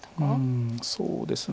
うんそうですね。